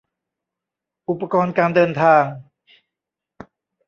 อุปกรณ์การเดินทาง